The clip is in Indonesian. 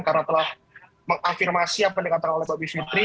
karena telah mengafirmasi apa yang dikatakan oleh bapak bivitri